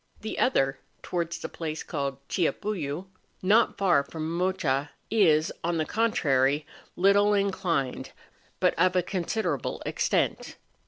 The other, towards the place called Chillapullu, not far from Mocha, is, on the contrary, little inclined, but of a considerable extent.